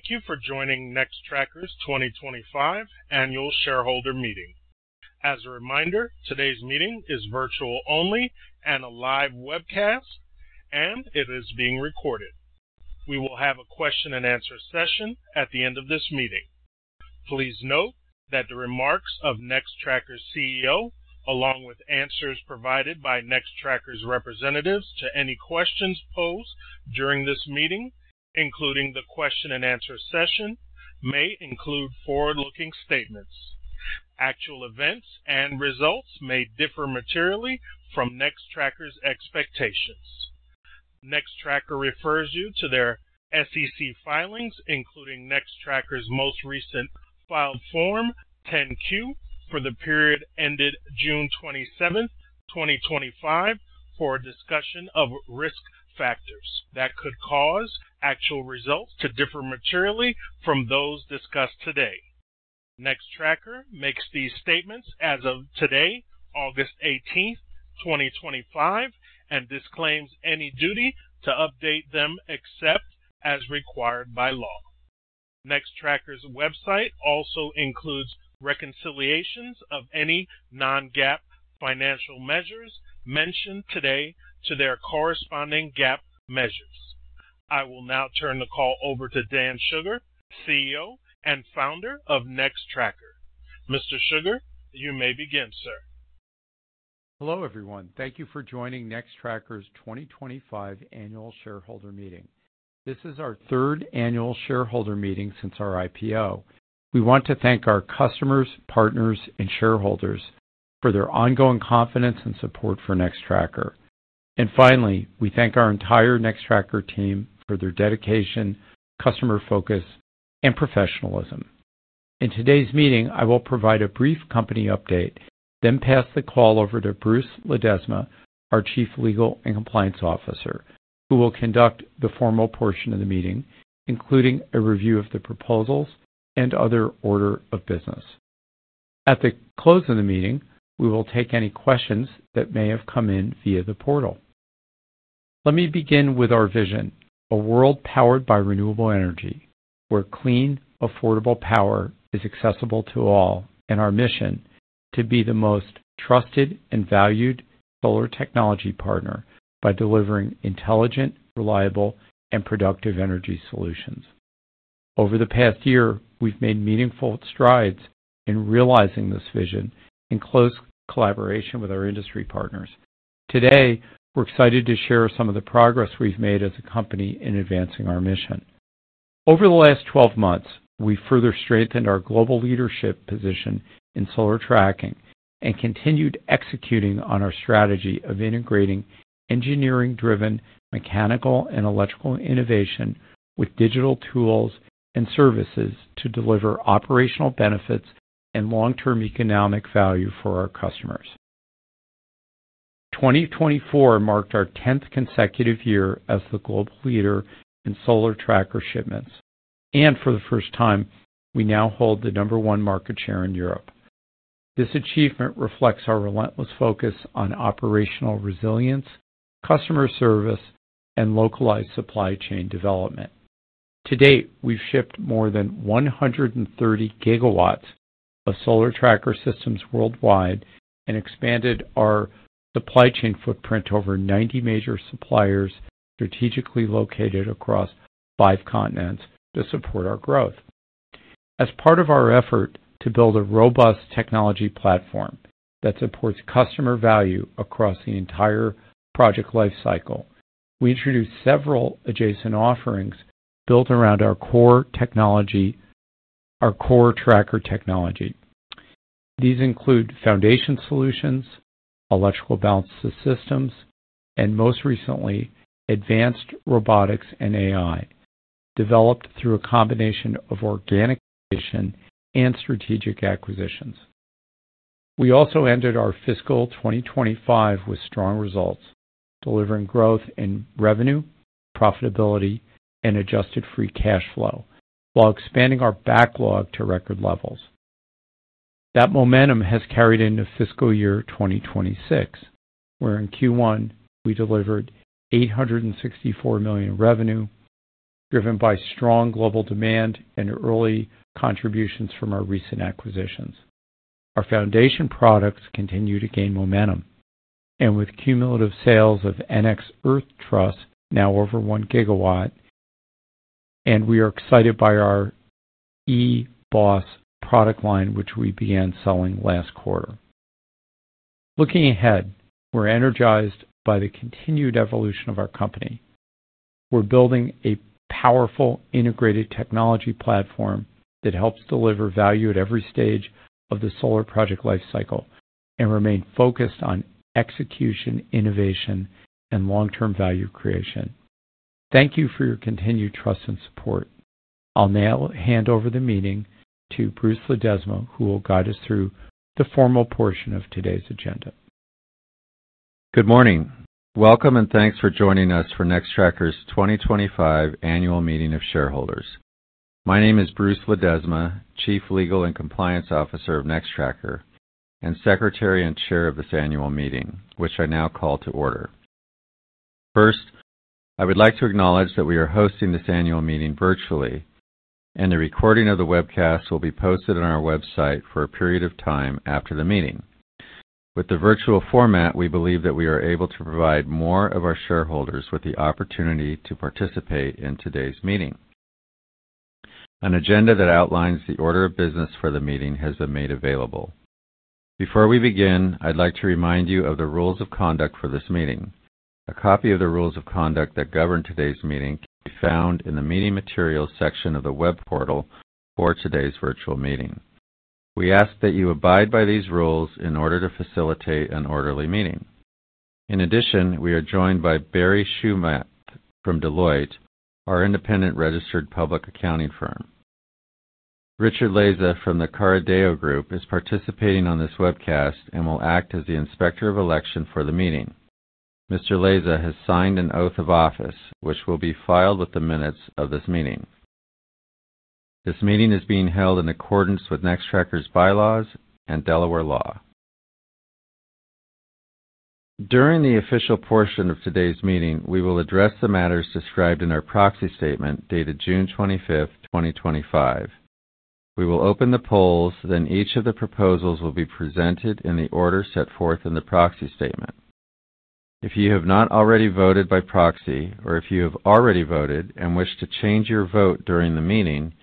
Welcome and thank you for joining Nextracker's 2025 Annual Shareholder Meeting. As a reminder, today's meeting is virtual only and a live webcast, and it is being recorded. We will have a question-and-answer session at the end of this meeting. Please note that the remarks of Nextracker's CEO, along with answers provided by Nextracker's representatives to any questions posed during this meeting, including the question-and-answer session, may include forward-looking statements. Actual events and results may differ materially from Nextracker's expectations. Nextracker refers you to their SEC filings, including Nextracker's most recent filed Form 10-Q for the period ended June 27, 2025, for a discussion of risk factors that could cause actual results to differ materially from those discussed today. Nextracker makes these statements as of today, August 18, 2025, and disclaims any duty to update them except as required by law. Nextracker's website also includes reconciliations of any non-GAAP financial measures mentioned today to their corresponding GAAP measures. I will now turn the call over to Dan Shugar, CEO and Founder of Nextracker. Mr. Shugar, you may begin, sir. Hello, everyone. Thank you for joining Nextracker's 2025 Annual Shareholder Meeting. This is our third Annual Shareholder Meeting since our IPO. We want to thank our customers, partners, and shareholders for their ongoing confidence and support for Nextracker. Finally, we thank our entire Nextracker team for their dedication, customer focus, and professionalism. In today's meeting, I will provide a brief company update, then pass the call over to Bruce Ledesma, our Chief Legal and Compliance Officer, who will conduct the formal portion of the meeting, including a review of the proposals and other order of business. At the close of the meeting, we will take any questions that may have come in via the portal. Let me begin with our vision: a world powered by renewable energy, where clean, affordable power is accessible to all, and our mission to be the most trusted and valued solar technology partner by delivering intelligent, reliable, and productive energy solutions. Over the past year, we've made meaningful strides in realizing this vision in close collaboration with our industry partners. Today, we're excited to share some of the progress we've made as a company in advancing our mission. Over the last 12 months, we further strengthened our global leadership position in solar tracking and continued executing on our strategy of integrating engineering-driven mechanical and electrical innovation with digital tools and services to deliver operational benefits and long-term economic value for our customers. 2024 marked our 10th consecutive year as the global leader in solar tracker shipments, and for the first time, we now hold the number one market share in Europe. This achievement reflects our relentless focus on operational resilience, customer service, and localized supply chain development. To date, we've shipped more than 130 GW of solar tracker systems worldwide and expanded our supply chain footprint to over 90 major suppliers strategically located across five continents to support our growth. As part of our effort to build a robust technology platform that supports customer value across the entire project lifecycle, we introduced several adjacent offerings built around our core tracker technology. These include foundation solutions, electrical balance of system (eBOS) products, and most recently, advanced robotics and AI capabilities developed through a combination of organic innovation and strategic acquisitions. We also ended our fiscal 2025 with strong results, delivering growth in revenue, profitability, and adjusted free cash flow, while expanding our backlog to record levels. That momentum has carried into fiscal year 2026, where in Q1, we delivered $864 million in revenue, driven by strong global demand and early contributions from our recent acquisitions. Our foundation solutions continue to gain momentum, and with cumulative sales of NX Horizon now over 1 GW, we are excited by our electrical balance of system (eBOS) product line, which we began selling last quarter. Looking ahead, we're energized by the continued evolution of our company. We're building a powerful integrated technology platform for the solar project lifecycle that helps deliver value at every stage and remains focused on execution, innovation, and long-term value creation. Thank you for your continued trust and support. I'll now hand over the meeting to Bruce Ledesma, who will guide us through the formal portion of today's agenda. Good morning. Welcome and thanks for joining us for Nextracker's 2025 Annual Meeting of Shareholders. My name is Bruce Ledesma, Chief Legal and Compliance Officer of Nextracker and Secretary and Chair of this annual meeting, which I now call to order. First, I would like to acknowledge that we are hosting this annual meeting virtually, and the recording of the webcast will be posted on our website for a period of time after the meeting. With the virtual format, we believe that we are able to provide more of our shareholders with the opportunity to participate in today's meeting. An agenda that outlines the order of business for the meeting has been made available. Before we begin, I'd like to remind you of the rules of conduct for this meeting. A copy of the rules of conduct that govern today's meeting can be found in the meeting materials section of the web portal for today's virtual meeting. We ask that you abide by these rules in order to facilitate an orderly meeting. In addition, we are joined by Barry Shoemake from Deloitte, our independent registered public accounting firm. Richard Leza from the Carideo Group is participating on this webcast and will act as the inspector of election for the meeting. Mr. Leza has signed an oath of office, which will be filed with the minutes of this meeting. This meeting is being held in accordance with Nextracker's bylaws and Delaware law. During the official portion of today's meeting, we will address the matters described in our proxy statement dated June 25th, 2025. We will open the polls, then each of the proposals will be presented in the order set forth in the proxy statement. If you have not already voted by proxy, or if you have already voted and wish to change your vote during the meeting,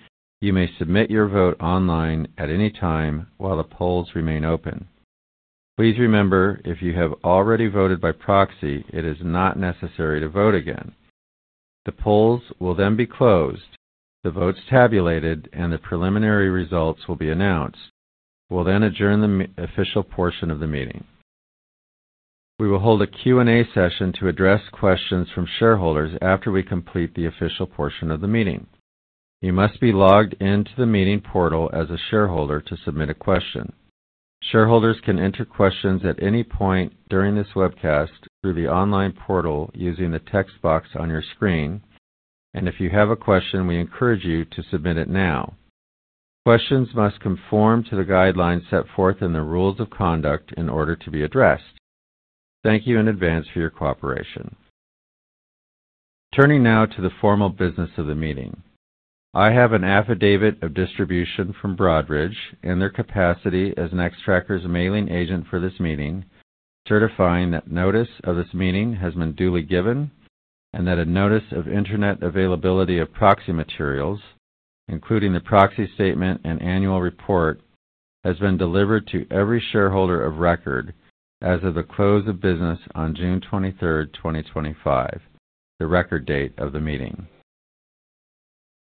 you may submit your vote online at any time while the polls remain open. Please remember, if you have already voted by proxy, it is not necessary to vote again. The polls will then be closed, the votes tabulated, and the preliminary results will be announced. We'll then adjourn the official portion of the meeting. We will hold a Q&A session to address questions from shareholders after we complete the official portion of the meeting. You must be logged into the meeting portal as a shareholder to submit a question. Shareholders can enter questions at any point during this webcast through the online portal using the text box on your screen, and if you have a question, we encourage you to submit it now. Questions must conform to the guidelines set forth in the rules of conduct in order to be addressed. Thank you in advance for your cooperation. Turning now to the formal business of the meeting. I have an affidavit of distribution from Broadridge in their capacity as Nextracker's mailing agent for this meeting, certifying that notice of this meeting has been duly given and that a notice of internet availability of proxy materials, including the proxy statement and annual report, has been delivered to every shareholder of record as of the close of business on June 23rd, 2025, the record date of the meeting.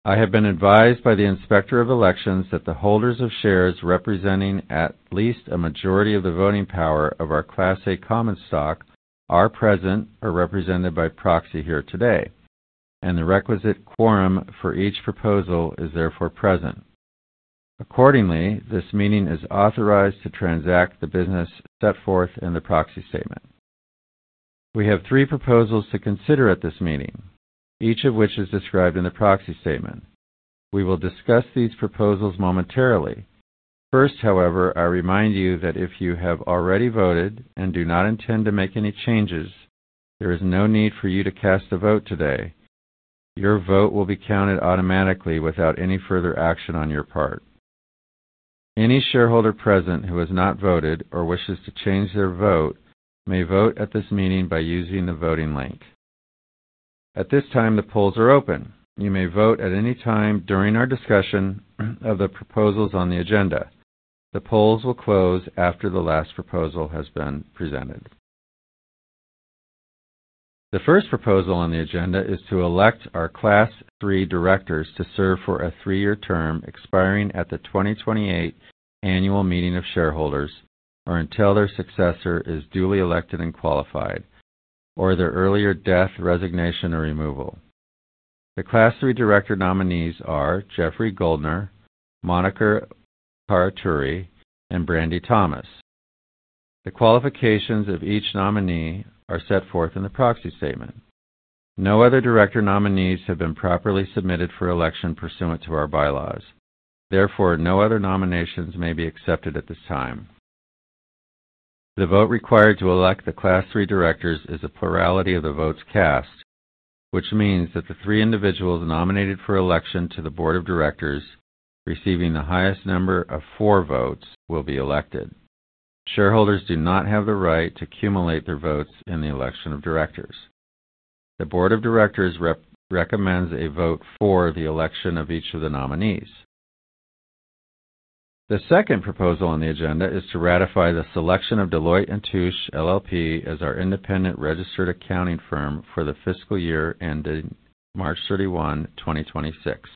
I have been advised by the inspector of elections that the holders of shares representing at least a majority of the voting power of our Class A common stock are present or represented by proxy here today, and the requisite quorum for each proposal is therefore present. Accordingly, this meeting is authorized to transact the business set forth in the proxy statement. We have three proposals to consider at this meeting, each of which is described in the proxy statement. We will discuss these proposals momentarily. First, however, I remind you that if you have already voted and do not intend to make any changes, there is no need for you to cast a vote today. Your vote will be counted automatically without any further action on your part. Any shareholder present who has not voted or wishes to change their vote may vote at this meeting by using the voting link. At this time, the polls are open. You may vote at any time during our discussion of the proposals on the agenda. The polls will close after the last proposal has been presented. The first proposal on the agenda is to elect our Class III directors to serve for a three-year term expiring at the 2028 Annual Meeting of Shareholders, or until their successor is duly elected and qualified, or their earlier death, resignation, or removal. The Class III director nominees are Jeffrey Goldner, Monica Tarratori, and Brandi Thomas. The qualifications of each nominee are set forth in the proxy statement. No other director nominees have been properly submitted for election pursuant to our bylaws. Therefore, no other nominations may be accepted at this time. The vote required to elect the Class III directors is a plurality of the votes cast, which means that the three individuals nominated for election to the Board of Directors, receiving the highest number of votes, will be elected. Shareholders do not have the right to cumulate their votes in the election of directors. The Board of Directors recommends a vote for the election of each of the nominees. The second proposal on the agenda is to ratify the selection of Deloitte & Touche LLP as our independent registered public accounting firm for the fiscal year ending March 31, 2026.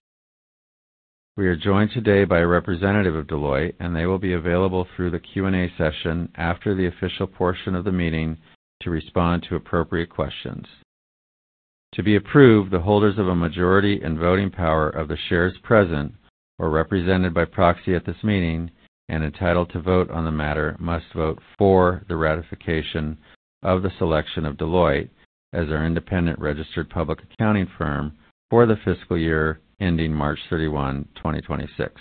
We are joined today by a representative of Deloitte, and they will be available through the Q&A session after the official portion of the meeting to respond to appropriate questions. To be approved, the holders of a majority in voting power of the shares present or represented by proxy at this meeting and entitled to vote on the matter must vote for the ratification of the selection of Deloitte as our independent registered public accounting firm for the fiscal year ending March 31, 2026.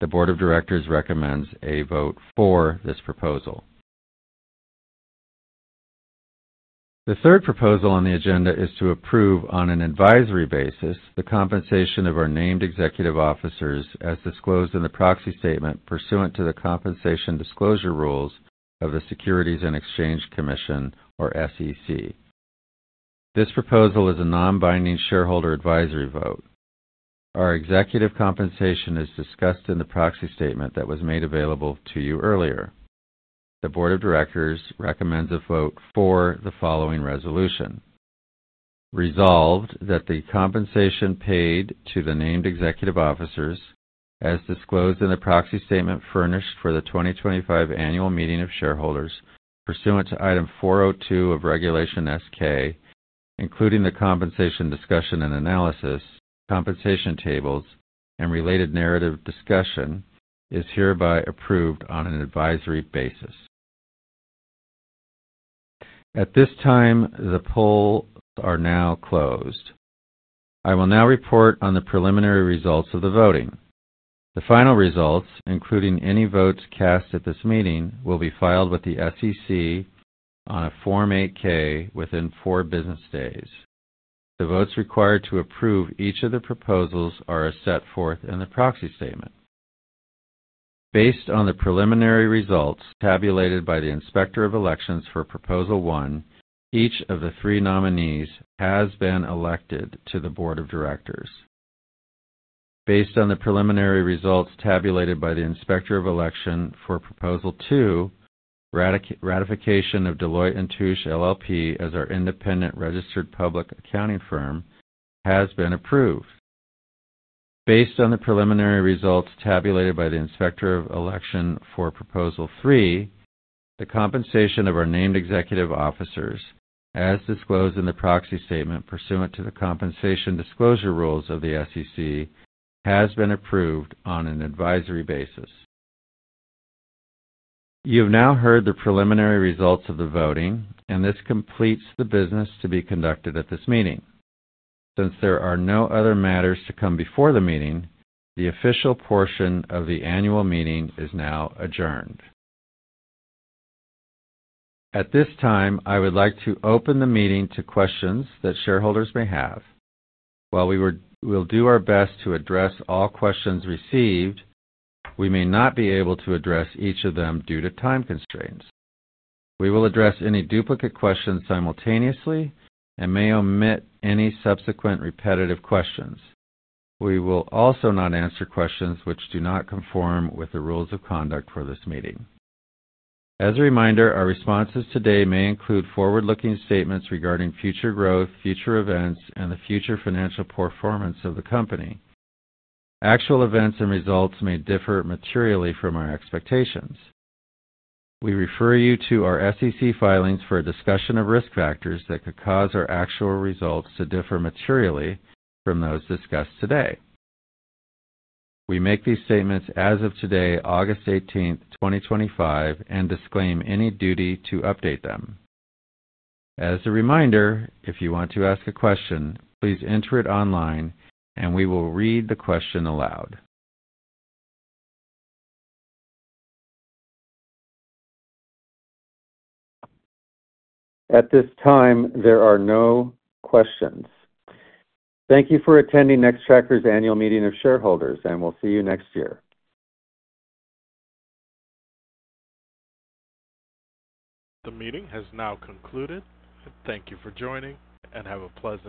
The Board of Directors recommends a vote for this proposal. The third proposal on the agenda is to approve on an advisory basis the compensation of our named executive officers, as disclosed in the proxy statement pursuant to the compensation disclosure rules of the Securities and Exchange Commission, or SEC. This proposal is a non-binding shareholder advisory vote. Our executive compensation is discussed in the proxy statement that was made available to you earlier. The Board of Directors recommends a vote for the following resolution. Resolved that the compensation paid to the named executive officers, as disclosed in the proxy statement furnished for the 2025 Annual Meeting of Shareholders pursuant to Item 402 of Regulation S-K, including the compensation discussion and analysis, compensation tables, and related narrative discussion, is hereby approved on an advisory basis. At this time, the polls are now closed. I will now report on the preliminary results of the voting. The final results, including any votes cast at this meeting, will be filed with the SEC on a Form 8-K within four business days. The votes required to approve each of the proposals are as set forth in the proxy statement. Based on the preliminary results tabulated by the inspector of election for Proposal One, each of the three nominees has been elected to the Board of Directors. Based on the preliminary results tabulated by the inspector of election for Proposal Two, ratification of Deloitte & Touche LLP as our independent registered public accounting firm has been approved. Based on the preliminary results tabulated by the inspector of election for Proposal Three, the compensation of our named executive officers, as disclosed in the proxy statement pursuant to the compensation disclosure rules of the SEC, has been approved on an advisory basis. You have now heard the preliminary results of the voting, and this completes the business to be conducted at this meeting. Since there are no other matters to come before the meeting, the official portion of the annual meeting is now adjourned. At this time, I would like to open the meeting to questions that shareholders may have. While we will do our best to address all questions received, we may not be able to address each of them due to time constraints. We will address any duplicate questions simultaneously and may omit any subsequent repetitive questions. We will also not answer questions which do not conform with the rules of conduct for this meeting. As a reminder, our responses today may include forward-looking statements regarding future growth, future events, and the future financial performance of the company. Actual events and results may differ materially from our expectations. We refer you to our SEC filings for a discussion of risk factors that could cause our actual results to differ materially from those discussed today. We make these statements as of today, August 18, 2025, and disclaim any duty to update them. As a reminder, if you want to ask a question, please enter it online, and we will read the question aloud. At this time, there are no questions. Thank you for attending Nextracker's Annual Meeting of Shareholders, and we'll see you next year. The meeting has now concluded. Thank you for joining, and have a pleasant day.